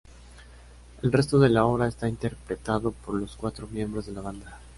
El resto de la obra está interpretado por los cuatro miembros de la banda.